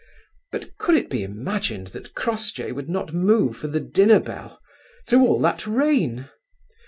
But could it be imagined that Crossjay would not move for the dinner bell! through all that rain!